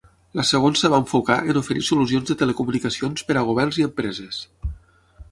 La segons es va enfocar en oferir solucions de telecomunicacions per a governs i empreses.